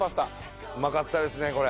うまかったですねこれ。